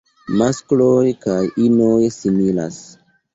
Maskloj kaj inoj similas.